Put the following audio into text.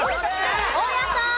大家さん。